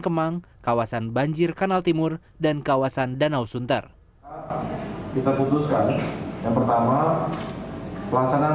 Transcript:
kemang kawasan banjir kanal timur dan kawasan danau sunter kita putuskan yang pertama pelaksanaan